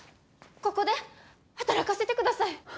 ここで働かせてください！